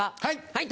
はい！